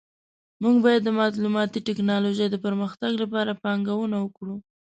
موږ باید د معلوماتي ټکنالوژۍ د پرمختګ لپاره پانګونه وکړو